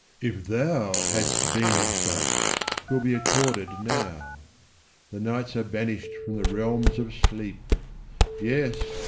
if thou Hast been of such, 'twill be accorded now. Thy nights are banished from the realms of sleep: Yes!